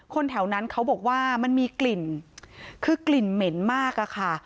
แถวนั้นเขาบอกว่ามันมีกลิ่นคือกลิ่นเหม็นมากอะค่ะ